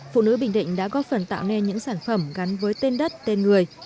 phụ nữ bình định đã góp phần tạo nên những sản phẩm gắn với tên đất tên người